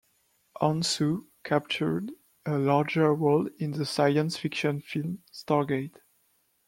Hounsou captured a larger role in the science fiction film "Stargate".